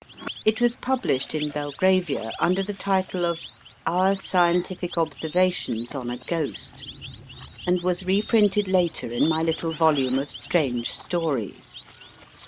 It was published in Belgravia under the title of Our Scientific Observations on a Ghost/ and was reprinted later in my little volume of Strange Stories.